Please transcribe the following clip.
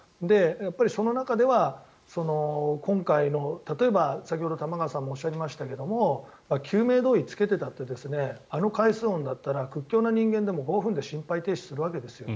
その中では今回の例えば先ほど玉川さんもおっしゃいましたけれど救命胴衣を着けていたってあの海水温だったら屈強な人間でも５分で心肺停止するわけですよ。